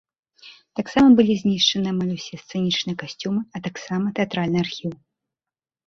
Таксама былі знішчаны амаль ўсе сцэнічныя касцюмы, а таксама тэатральны архіў.